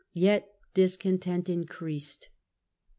Yet discontent increased.